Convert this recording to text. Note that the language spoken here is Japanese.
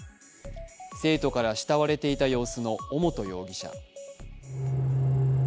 生徒から慕われていた様子の尾本容疑者。